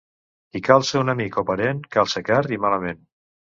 Qui calça un amic o parent calça car i malament.